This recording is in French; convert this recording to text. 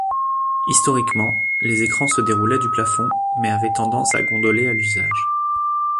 Historiquement, les écrans se déroulaient du plafond, mais avaient tendance à gondoler à l'usage.